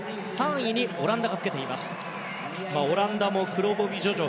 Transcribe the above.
３位にオランダがつけています。